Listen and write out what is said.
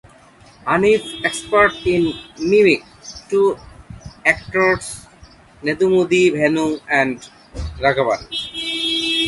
Haneef expert in mimic to actors Nedumudi Venu and Raghavan.